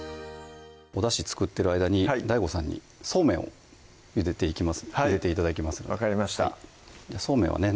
おだし作ってる間にＤＡＩＧＯさんにそうめんをゆでて頂きますので分かりましたそうめんはね